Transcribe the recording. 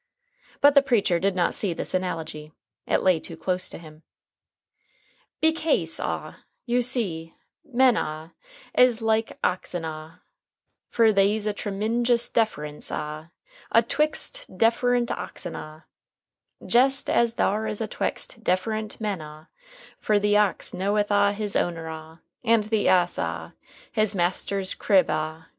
But the preacher did not see this analogy. It lay too close to him], "bekase ah, you see, men ah is mighty like oxen ah. Fer they's a tremengious defference ah atwixt defferent oxen ah, jest as thar is atwext defferent men ah; fer the ox knoweth ah his owner ah, and the ass ah, his master's crib ah.